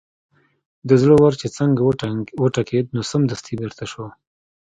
د زړه ور چې څنګه وټکېد نو سمدستي بېرته شو.